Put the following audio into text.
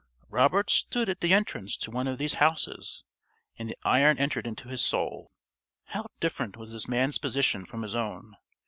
_) Robert stood at the entrance to one of these houses, and the iron entered into his soul. How different was this man's position from his own!